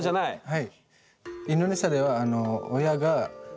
はい。